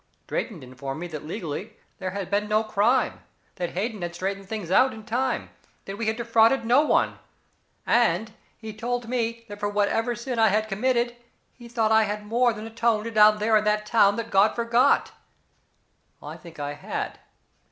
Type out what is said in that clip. Drayton informed me that legally there had been no crime, that Hayden had straightened things out in time, that we had defrauded no one. And he told me that for whatever sin I had committed he thought I had more than atoned down there in that town that God forgot. I think I had.